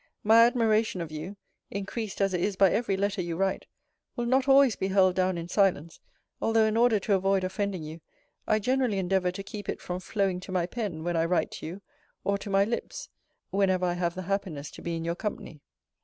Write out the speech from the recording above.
My admiration of you (increased, as it is, by every letter you write) will not always be held down in silence; although, in order to avoid offending you, I generally endeavour to keep it from flowing to my pen, when I write to you, or to my lips, whenever I have the happiness to be in your company.